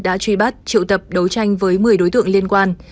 đã truy bắt triệu tập đấu tranh với một mươi đối tượng liên quan